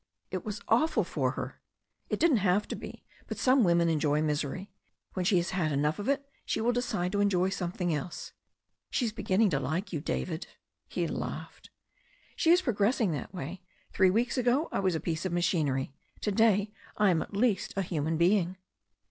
"It was awful for her." "It didn't have to be. But some women enjoy misery. When she has had enough of it she will decide to enjoy something else." "She is beginning to like you, David." He laughed. "She is progressing that way. Three weeks ago I was a piece of machinery. To day I am at least a human being."